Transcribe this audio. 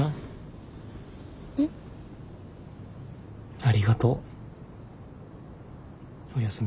ありがとう。おやすみ。